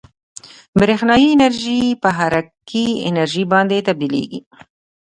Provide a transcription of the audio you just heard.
برېښنايي انرژي په حرکي انرژي باندې تبدیلیږي.